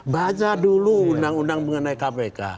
baca dulu undang undang mengenai kpk